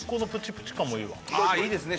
ああいいですね